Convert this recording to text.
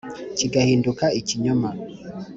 kigahinduka ikinyoma.